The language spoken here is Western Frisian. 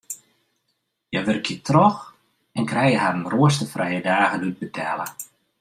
Hja wurkje troch en krije harren roasterfrije dagen útbetelle.